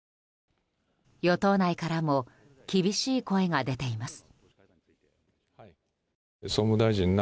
与党内からも厳しい声が出ています。